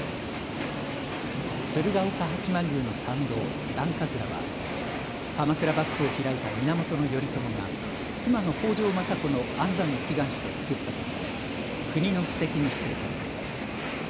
鶴岡八幡宮の参道、段葛は鎌倉幕府を開いた源頼朝が妻の北条政子の安産を祈願して作ったとされ国の史跡に指定されています。